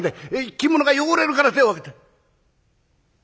着物が汚れるから手を上げて。